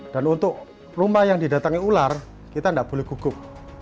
dan untuk rumah yang didatangi ular kita tidak boleh gugup